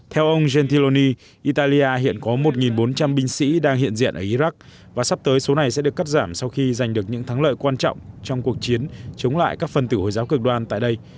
theo ông gentioni italia hiện có một bốn trăm linh binh sĩ đang hiện diện ở iraq và sắp tới số này sẽ được cắt giảm sau khi giành được những thắng lợi quan trọng trong cuộc chiến chống lại các phần tử hồi giáo cực đoan tại đây